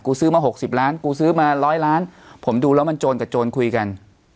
ซื้อมา๖๐ล้านกูซื้อมาร้อยล้านผมดูแล้วมันโจรกับโจรคุยกัน